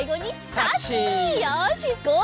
よしごう